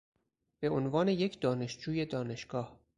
به عنوان یک دانشجوی دانشگاه